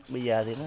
bây giờ thì